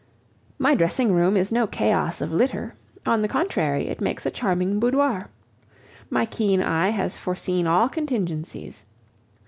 My dressing room is no chaos of litter; on the contrary, it makes a charming boudoir. My keen eye has foreseen all contingencies.